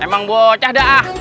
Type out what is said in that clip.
emang bocah dah